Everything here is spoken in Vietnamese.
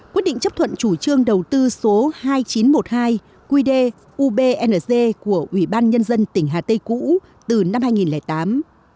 quyết định chấp thuận chủ trương đầu tư số hai nghìn chín trăm một mươi hai qd ubng của ủy ban nhân dân tỉnh hà tây cũ từ năm hai nghìn tám